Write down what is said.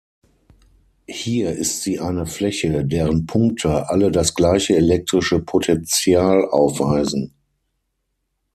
Hier ist sie eine Fläche, deren Punkte alle das gleiche elektrische Potential aufweisen.